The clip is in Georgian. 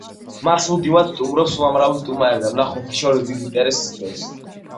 მას მუდმივად სტუმრობს უამრავი სტუმარი და მნახველთა შორის დიდ ინტერესს იწვევს.